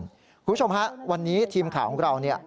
คุณผู้ชมวันนี้ทีมข่าวของเรา